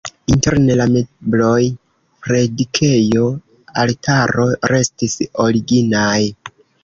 Interne la mebloj, predikejo, altaro restis originaj.